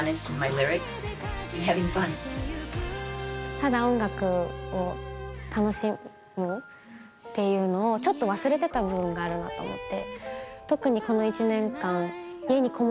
ただ音楽を楽しむっていうのをちょっと忘れてた部分があるなと思って。